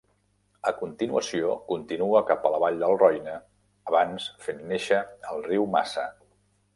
A continuació, continua cap a la vall del Roine abans fent néixer el riu Massa.